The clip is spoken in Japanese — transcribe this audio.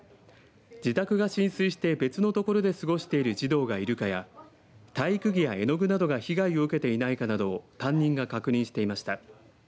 自宅が浸水して、別のところで過ごしている児童がいるかや体育着や絵の具などが被害を受けていないかなどを担任が確認していました。